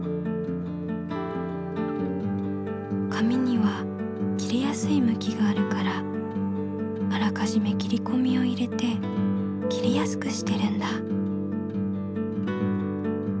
紙には切れやすい向きがあるからあらかじめ切り込みを入れて切りやすくしてるんだ。